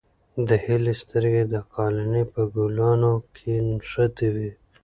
د هیلې سترګې د قالینې په ګلانو کې نښتې وې.